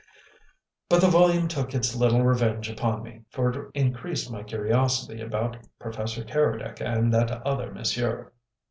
But the volume took its little revenge upon me, for it increased my curiosity about Professor Keredec and "that other monsieur."